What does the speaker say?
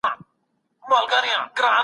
خلیفه د ټولني د نظم ساتونکی دی.